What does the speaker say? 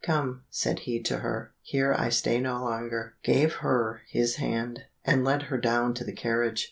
"Come," said he to her, "here I stay no longer," gave her his hand, and led her down to the carriage.